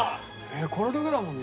これだけだもんね？